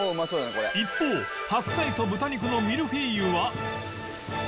一方白菜と豚肉のミルフィーユは？